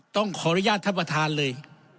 ต้องขออนุญาตท่านประธานเลย